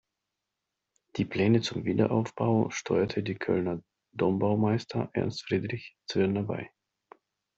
Die Pläne zum Wiederaufbau steuerte der Kölner Dombaumeister Ernst Friedrich Zwirner bei.